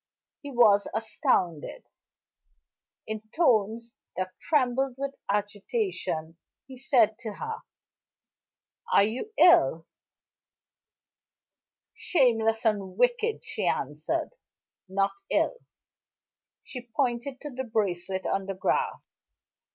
He was astounded. In tones that trembled with agitation, he said to her: "Are you ill?" "Shameless and wicked," she answered. "Not ill." She pointed to the bracelet on the grass.